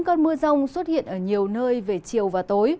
cơn mưa rông xuất hiện ở nhiều nơi về chiều và tối